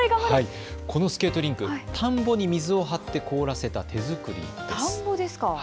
このスケートリンク、田んぼに水を張って凍らせた手作りです。